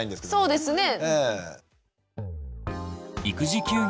そうですね。